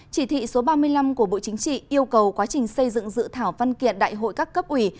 chỉ thị số ba mươi năm của bộ chính trị yêu cầu quá trình xây dựng dự thảo văn kiện đại hội các cấp ủy